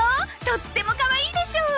とってもかわいいでしょ？